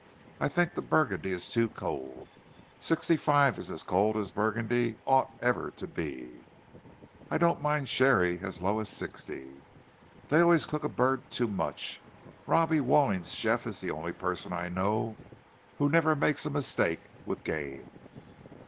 —I think the Burgundy is too cold. Sixty five is as cold as Burgundy ought ever to be. I don't mind sherry as low as sixty.—They always cook a bird too much—Robbie Walling's chef is the only person I know who never makes a mistake with game."